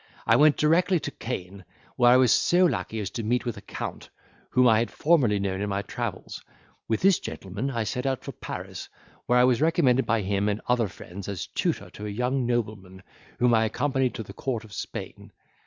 I went directly to Caen, where I was so lucky as to meet with a count, whom I had formerly known in my travels; with this gentleman I set out for Paris, where I was recommended by him and other friends, as tutor to a young nobleman, whom I accompanied to the court of Spain.